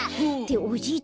おじいちゃん